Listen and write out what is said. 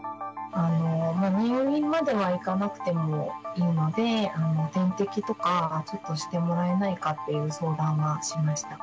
入院まではいかなくてもいいので、点滴とかちょっとしてもらえないかっていう相談はしました。